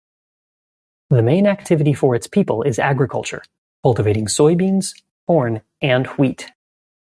The main activity for its people is agriculture, cultivating soybeans, corn and wheat.